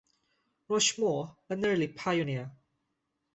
Rushmore, an early pioneer.